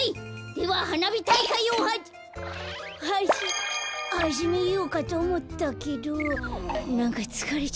でははなびたいかいをはじはじはじめようかとおもったけどなんかつかれちゃった。